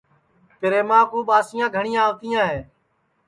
پریماں کُو ٻاسیاں گھٹؔیاں آوتیاں ہے